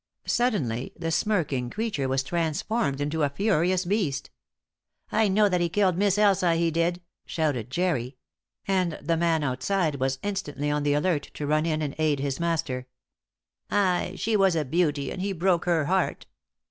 Suddenly the smirking creature was transformed into a furious beast. "I know that he killed Miss Elsa, he did!" shouted Jerry; and the man outside was instantly on the alert to run in and aid his master. "Aye! She was a beauty, and he broke her heart.